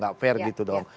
gak fair gitu dong